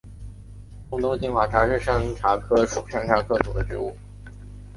中东金花茶是山茶科山茶属的植物。